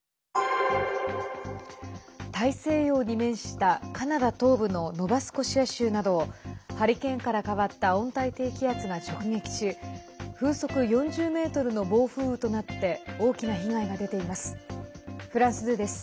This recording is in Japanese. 大西洋に面したカナダ東部のノバスコシア州などをハリケーンから変わった温帯低気圧が直撃し風速４０メートルの暴風雨となって大きな被害が出ています。